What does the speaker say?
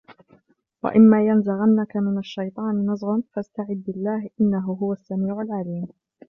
وإما ينزغنك من الشيطان نزغ فاستعذ بالله إنه هو السميع العليم